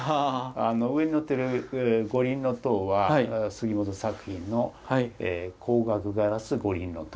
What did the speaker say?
上にのってる五輪塔は杉本作品の光学ガラス五輪塔。